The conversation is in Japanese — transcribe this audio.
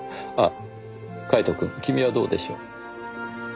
あカイトくん。君はどうでしょう？